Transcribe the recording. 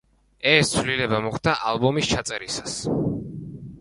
ეს ცვლილება მოხდა ალბომის ჩაწერისას.